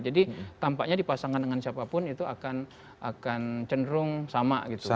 jadi tampaknya dipasangkan dengan siapapun itu akan cenderung sama gitu